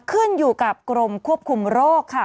ขึ้นอยู่กับกรมควบคุมโรคค่ะ